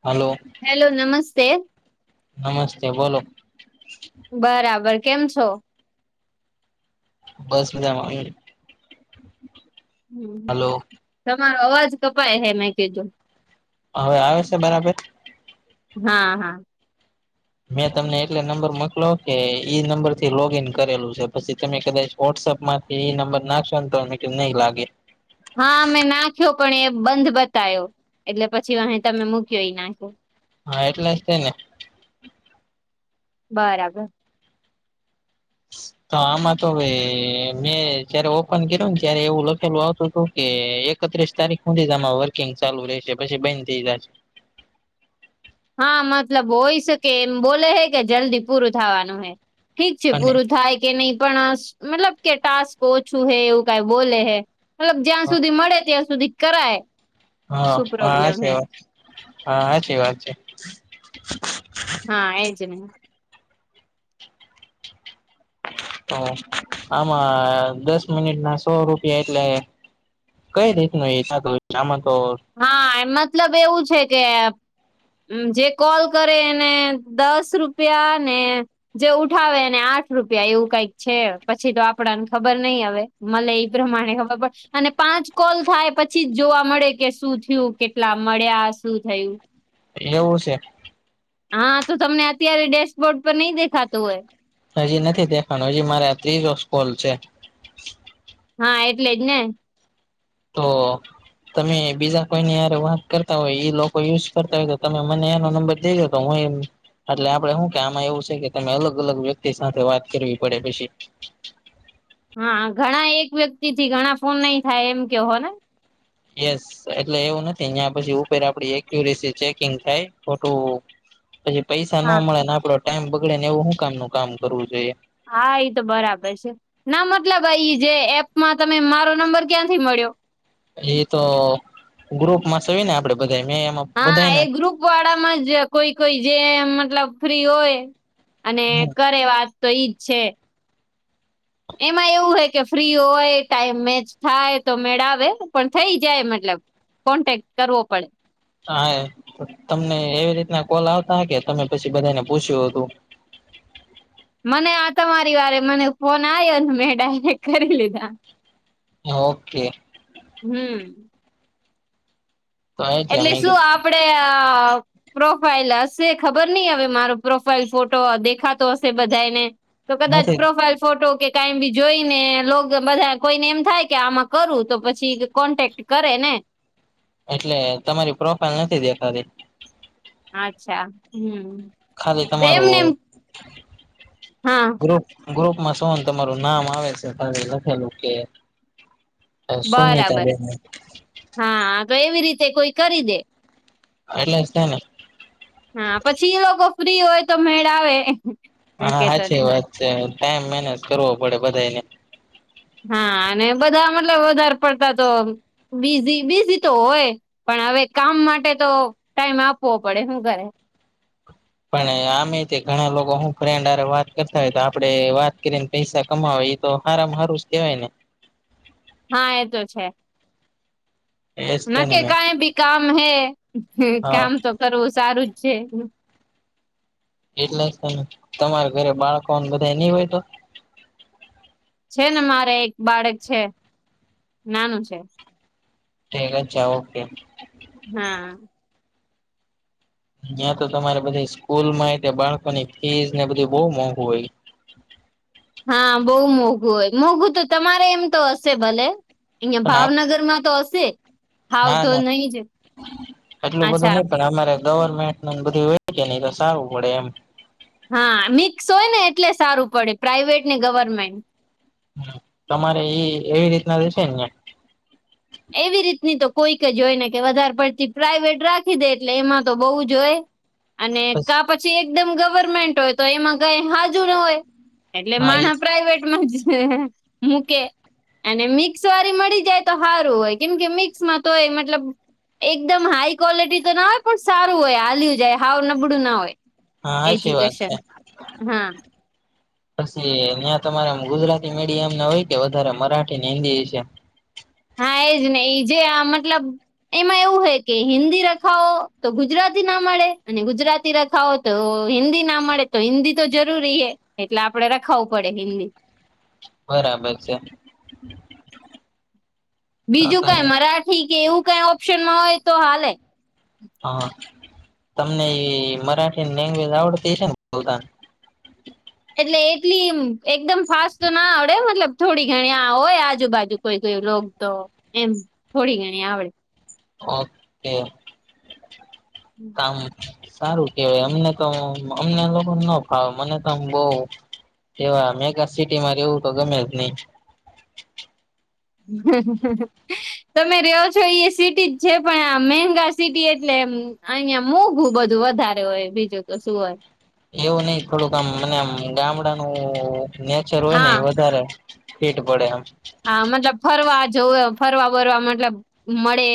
Hello hello નમસ્તે નમસ્તે બોલો બરાબર કેમ છો બસ મજામાં હલો તમારો અવાજ કપાય હે મેં કેજો હવે આવે સે બરાબર હા હા મેં તમને એટલે નંબર મોકલો કે ઈ નંબર થી લોગઈન કરેલું છે પછી તમે કદાચ વોટ્સઅપ માંથી એ નંબર નાખશને તોને કે નહી લાગે હા મે નાખ્યો પણ એ બંધ બતાયો એટલે પછી અ તમે મૂક્યો એ નાખ્યો હા એટલે જ થ ને બરાબર તો આમાં તો હવે મેં જયારે ઓપન કર્યું ને ત્યારે એવું લખેલું આવતું હતું કે એક એકત્રીસ તારીખ સુધી જ આ વર્કિંગ ચાલુ રહેશે પછી બંધ થઈ જાયશે હા મતલબ હોય શકે એમ બોલે હે કે જલ્દી પૂરું થવાનું હે ઠીક છે અને પૂરું થાય કે નહી પણ મતલબ કે ટાસ્ક ઓછું હે એવું કઈ બોલે હૈ મતલબ જ્યાં સુધી મળે ત્યાં સુધી કરાય હા શું હા પ્રોબ્લેમ છે હે વાત હા સાચી વાત છે. હા એ જ ન હ આમાં દસ મિનિટ ના સો રૂપિયા એટલે કઈ રીતનું [unintelligible] આમાં તો એ મતલબ એવું કે હમ જે કોલ કરે એને દસ રૂપિયા ને જે ઉઠાવે એને આઠ રૂપિયા એવું કઈક છે પછી તો આપણા ને ખબર નહી આવે મલે એ પ્રમાણે ખબર પડે અને પાંચ કોલ થાય પછી જ જોવા મળે. કે શું થયું કેટલા મળ્યા શું થયું? એવું છે? હા તો તમને અત્યારે ડેશબોર્ડ પર નહી દેખાતું હોય. હજી નથી દેખાનું હજી મારે ત્રીજો કોલ છે. હા એટલે જ ને- તો તમે બીજા કોઈ ની યારે વાત કરતા હોય એ લોકો યુઝ કરતા હોય તો તમે મને એનો નંબર દઈ દો તો હું એમ એટલે આપણે શું કે આમાં એવું છે કે તમે અલગ અલગ વ્યક્તિ સાથે વાત કરવી પડે પછી. હા ઘણા એક વ્યક્તિ થી ઘણા ફોન નહી થાય એમ કે હો ને. યસ એટલે એવું નથી ત્યા પછી ઉપર આપણી એક્યુરસી ચેકિંગ થાય ખોટું. પછી પૈસા ન હા મળે ને આપણો ટાઈમ બગડે ને એવું શું કામ ન કામ કરવું જોઈએ. હા એ તો બરાબર છે. ના મતલબ આ જે એપમાં તમે મારો નંબર ક્યાંથી મળ્યો. એ તો ગ્રુપ માં છીએ ને આપણે બધા મેં એમાં હા બધાને એ ગ્રુપ વાળામાં જ કોઈ કોઈ જે મતલબ ફ્રી હોય. અને કરે વાત તો ઈજ છે. એમાં એવું હોય કે ફ્રી હોય ટાઈમ મેચ થાય તો મેળાવે પણ થઈ જાય મતલબ કોન્ટેક્ટ કરવો પડે. હા એ તમને એવી રીતના કોલ આવતા હોય કે તમે પછી બધાને પૂછ્યું હતું. મને આ તમારી વારે મને ફોન આવ્યો મેં ડાયરેક્ટ કરી લીધા. ઓકે. હમ. તો એટલે મે શું આપણે આ પ્રોફાઈલ હશે ખબર નહી હવે મારો પ્રોફાઈલ ફોટો દેખાતો હશે બંધાય ને. તો કદાચ નથી પ્રોફાઇલ ફ ફોટો કે કાઈ બી જોઈને લોગો બધા કોઈને એમ થાય કે આમાં કરું તો પછી કોન્ટેક્ટ કરે ને એટલે તમારી પ્રોફાઈલ નથી દેખાતી. અચ્છા હમ. ખાલી તો તમારો એમને એમ હા. ગ્રુપ ગ્રુપમાં સો તમારું નામ આવે છે તા લખેલું કે સુમિતા બરાબર બેન હા તો એવી રીતે કોઈ કરી દે એટલે તે ને હા પછી ઈ લોકો ફ્રી હોય તો મેળ આવે મેં હા કેતો સાચી નહી વાત છે ટાઈમ મેનેજ કરવો પડે બંધાય ને. હા અને બધા મતલબ વધાર પડતા તો બીઝી બીઝી તો હોય. પણ હવે કામ માટે તો ટાઈમ આપવો પડે હું કરે? પણ આમે તે ઘણા લોકો હું ફ્રેન્ડ હારે વાત કરતા હોય તો આપડે વાત કરિને પૈસા કમાવા એ તો હારામાં હારું જ કેવાય ને. હા એ તો છે. એજ ના તેને કે મે કાઈ બી કામ હે હા કામ તો કરવું સારું જ છે. એટલે જ તમે તમારા ઘરે બાળકોને બધા નહી હોય તો? છે ને મારે એક બાળક છે નાનું છે. ઠીક અચ્છા ઓકે. હા નયા તો તમારે બધી સ્કૂલ માં હોય બાળકોની ફીસ ને બધુંય બહુ મોંઘુ હોય હા બહુ મોઘું હોય મોંઘું તો તમારે એમ તો હશે ભલે. અહીંય પણ ભાવનગરમાં તો હશે ભાવ ના તો ના નહી જ એટલું બધું અચ્છા નહી પણ અમારે ગવર્મેન્ટ ને બધું હોય કે નહી તો સારું પડે એમ હા મિક્સ હોય ને એટલે સારું પડે પ્રાાઈવેટ ને ગવર્મેન્ટ. તમારે ઈ એવી રીતના રહેશે ને? એવી રીતની તો કોઈક જ હોય ને કે વધારે પડતી પ્રાઇવેટ રાખી દે એટલે એમાં તો બહુ જ હોય અને કા પછી એકદમ ગવર્મેન્ટ હોય તો એમાં કઈ હાજુ ન હોય. એટલે હા એ [unintelligible] પ્રાાઈવેટ માં જ રે મૂકે અને મિક્સ વાળી મળી જાય તો હા રુ હોય કેમ કે મિક્સમાં તો એ મતલબ એકદમ હાઈ ક્વોલિટી તો ના હોય પણ સારું હોય હાલ્યું જાય હાવ નબળું ના હોય. હા હાચી વાત એજ્યુકેશન છે હા પછી ન્યા તમારે ગુજરાતી મીડિયમ ના હોય કે વધારે મરાઠી ને હિન્દી વિશે? હા એજ ને ઈ જે આ મતલબ એમાં એવું હોય કે હિન્દી રખાવો તો ગુજરાતી ના મળે અને ગુજરાતી રખાવો તો હિન્દી ના મળે તો હિન્દી તો જરૂરી હે એટલે આપડે રખાવું પડે હિન્દી. બરાબર છે. તો બીજુ તો કાઈ એ મરાઠી કે એવું કાઈ ઓપ્શનમાં હોય તો હાલે હા, તમને એ મરાઠી લેન્ગવેજ આવડતી હસેને પોતાને? એટલે એટલી એકદમ ફાસ્ટ તો ના આવડે, મતલબ થોડી ઘણી આવો હોયે આજુબાજુ કોઈ કોઈ રોકતો એમ થોડી ઘણી આવડે. [inaudible] [inaudible] આ સારું કહેવાય અમને તો અમને લોકોને ના ફાવે મને તો આમ બહુ એવા મેગા સિટીમાં રહેવું તો મને ગમે જ નહીં. હ હ હ હ તમે રહો છો એ સિટી જ છે, પણ આ મેગા સિટી એટલે એમ અહીંયા મોંઘું બધું વધારે હોય, બીજું તો શું હોય? એવું નથી, થોડુંક આમ મને આમ ગામડાનું નેચર હા એ વધારે હીટ પડે એમ. હા, મતલબ ફરવા-જોવા ફરવા વરવા મતલબ મળે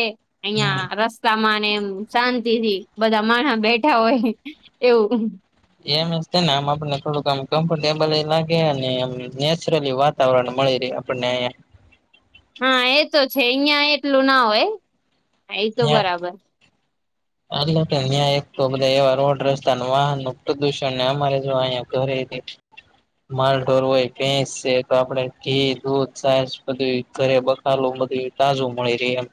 હમ અહીંયા રસ્તા તમાં એમ શાંતિથી બધા માણસો બેઠા હોય એવું એમ છે ને, આમ આપણને થોડુંક કમ્ફર્ટેબલ લાગે અને નેચરલી વાત કરવાનુ મળી રહે આપણને. હા, એ તો છે. અહીંયાં એટલું ના હોય. હા ઈ તો અહીંયા બરાબર. એટલે કે અહીંયાં એક તો બધા એવા રોડ-રસ્તા ને વાહનનો પ્રદૂષણ, ને અમારે જો અહીયાં ઘરે હે. માલ-ઢોર હોય. ભેંસ છે તો આપણે ઘી, દૂધ, છાસ બધુંય ઘરે બક [unintelligible] તાજું મળી રહ્યે એમ.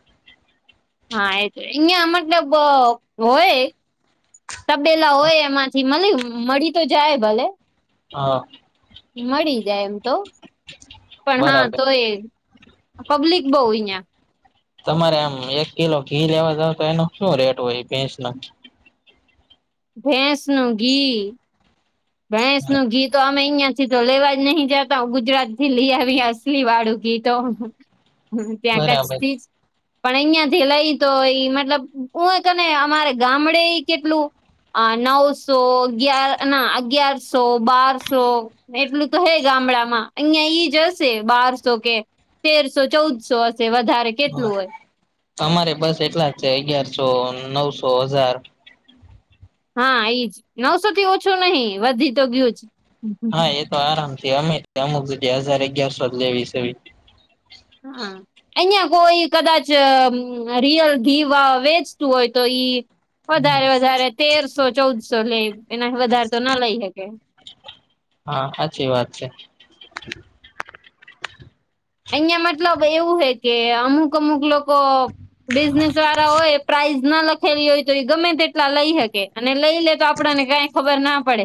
હા, એ તો. અહીંયાં મતલબ હોય તબેલો હોય, એમાંથી મલી મળી તો જાય ભલે. હા. મળી જાય એમ તો. પણ હા, બરાબર તોય આ પબ્લિક બહુ અહિયાં. તમારે આમ એક કિલો ઘી લેવા જાવ તો એનું શું રેટ હોય ભેંસનું? ભેંસનું ઘી, ભેંસનું ઘી તો આપ પણે અહીંયા થી તો લેવા જ નહીં જાતા. ગુજરાતથી લઈ આવીએ અસલીવાળું ઘી તો. ત્યાં બરાબર કચ્છથી જ. પણ અહીંયાથી લઈ તો ઈ મતલબ [unintelligible] અમારે ગામડેય કેટલું અહ નવસો, અગિયાર અહ ના અગિયારસો, બારસો. એટલું તો હે ગામડામાં. અહીંયાં ઈ જ હશે બારસો કે. તેરસો, ચૌદસો હશે વધારે. કેટલું હા. હોય અમારે બસ એટલા જ છે, અગિયારસો, નવસો, હજાર. હા, ઈ જ. નવસોથી ઓછું નહીં, વધી તો ગયું જ. હા, એ તો આરામથી. અમેય તે અમુક જગ્યાએ હજાર, અગિયારસો લેવી સેવી. અહા. અહીંયા કોઈ કદાચ અમ્મ રિયલ ઘી વ વેચતું હોય તો ઈ વધારે-વધારે તેરસો-ચૌદસો લેઈ, એનાથી વધારે તો ન લઈ હકે. હા, સાચી વાત છે. અહીંયા મતલબ એવું હે કે અમુક-અમુક લોકો બિઝનેસવાળા હોય, એ પ્રાઈઝ ન લખેલી હોય તો ઈ ગમે તેટલા લઈ હકે, અને લઈ લે તો આપણાને કાંઈ ખબર ના પડે.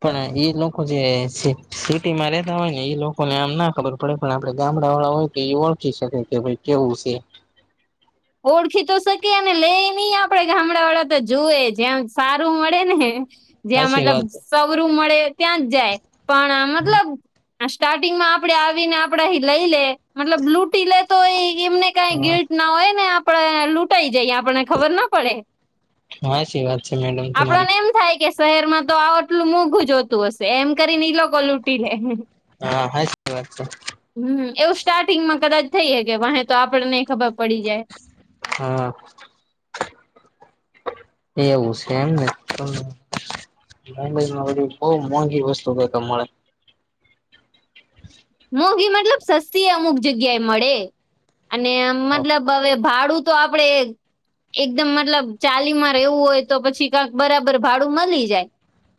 પણ ઈ લોકો જે સિ સિટીમાં રહેતા હોય ને, ઈ લોકોને આમ ના ખબર પડે, પણ આપણે ગામડાવાળા હોય તો ઈ ઓળખી શકે, કે ભાઈ કેવું સે. ઓળખી તો શકીએ, ને લેઈએ ની આપણે ગામડાવાળા જુવે, જેમ સારું મળે ને. જ્યાં હાચી મતલબ વાત છે. સવરું મળે ત્યાં જ જાય, પણ આ મતલબ આ સ્ટાર્ટિંગમાં આપણે આવીને આપણાથી લઈ લે, મતલબ લૂંટી લઈ તોય એમને કાંઈ ગીલ્ટ ન હોય, ને આપણે લૂંટાઈ જઈએ, આપણે ખબર ન પડે. હાચી વાત છે મેડમ આપણાં તમારી ને એમ થાય કે શહેરમાં તો આવ આટલું મોઘું જ હોતું હશે, એમ કરીને ઈ લોકો લૂંટી લે. હા, હાચી વાત છે. હમ્મ. એવું સ્ટાર્ટિંગમાં કદાચ થઈ હકે, વાહે આપણનેઈ ખબર પડી જાય. હા. એવું સે એમ ને! મુંબઈમાં બધું બહું મોંઘી વસ્તું [unintelligible] મળે. [inaudible] મોંઘી મતલબ સસ્તી એઈ અમુક જગ્યાએ મળે. અને આમ મતલબ હવે ભાડું તો આપણે એકદમ મતલબ ચાલીમાં રહેવું હોય તો પછી કાંક બરાબર ભાડું મલી જાય.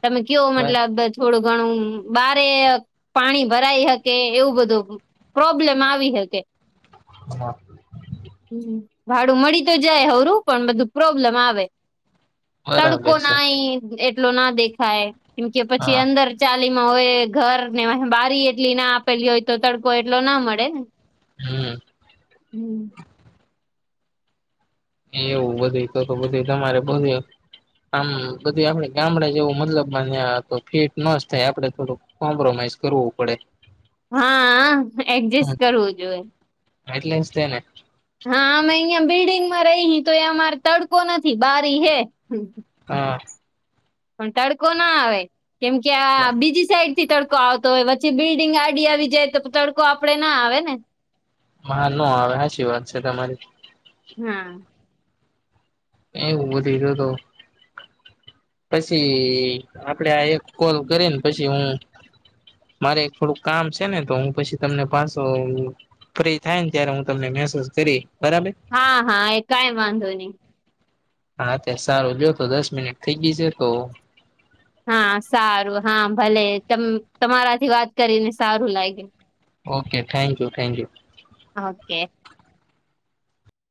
તમે કહ્યો મતલબ થોડું ઘણું બહારે પાણી ભરાય હક કે એવું બધું પ્રોબ્લેમ આવી હકે. [inaudible] હમ ભાડું મળી તો જાય હરું પણ બધું પ્રોબ્લેમ આવે‌. તડકો બરાબર છે નાઈ એટલો ના દેખાય કેમ કે પછી હા અંદર ચાલીમાં હોય ઘર ને બારી એટલી ના આપેલી હોય તો તડકો એટલો ના મળે ને. હમ [inaudible] એવું બધું તો તો બધું તમારે બધું આમ બધુ આપડે ગામડા જેવું મતલબ ન્યા તો ફીટ નોઝ થાય આપડે થોડુંક. કોમપરોમાઇઝ કરવું પડે. હા હા એડજસ્ટ કરવું જોઈએ. એટલે જ તેને. હા અમે અહિયાં બિલ્ડીંગમાં રહીએ તો એ અમારે તડકો નથી બારી હે. હા પણ તડકો ના આવે કેમ કે આ બીજી સાઈડ તડકો આવતો હોય વચ્ચે બિલ્ડિંગ આડી આવી જાય તો તડકો આપડે ના આવે ને! હા નો આવે હાચી વાત છે તમારી. હમ એ એવું બધું તો તો પશી આપડે આ એક કોલ કરીને પશી હું મારે એક થોડુંક કામ શે ને તો હું પશી તમને પાશો ફ્રી થાય ને ત્યારે હું તમને મેસેઝ કરી બરાબર? હા હા કાઇ વાન્ધો નઈ. હા તે સારું જો તો દસ મિનિટ થઈ ગઈ શે તો હા સારું હા ભલે તમારાથી વાત કરીને સારું લાગ્યું. Okay thank you, thank you. Okay